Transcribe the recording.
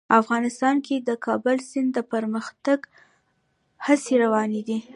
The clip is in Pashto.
افغانستان کې د د کابل سیند د پرمختګ هڅې روانې دي.